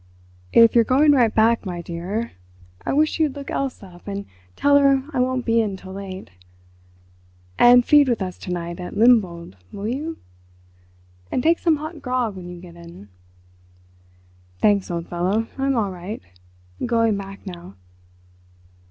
"If you're going right back, my dear, I wish you'd look Elsa up and tell her I won't be in till late. And feed with us to night at Limpold, will you? And take some hot grog when you get in." "Thanks, old fellow, I'm all right. Going back now."